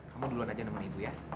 kamu duluan aja nemen ibu ya